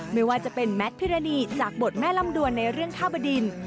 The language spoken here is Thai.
ไม่ว่าจะเป็นแมทพิรณีจากบทแม่ลำดวนในเรื่องท่าบดิน